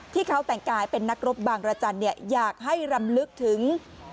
ที่เขาแต่งกายเป็นนักรบบางรจันทร์อยากให้รำลึกถึง